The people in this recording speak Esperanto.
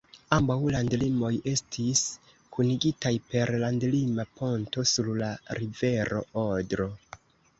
Ambaŭ landlimoj estis kunigitaj per landlima ponto sur la rivero Odro.